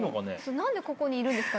何でここにいるんですか？